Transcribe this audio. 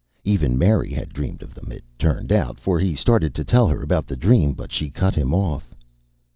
Even Mary had dreamed of them, it turned out, for he started to tell her about the dream, but she cut him off.